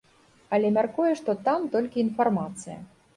Але мяркуе, што там толькі інфармацыя.